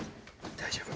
大丈夫。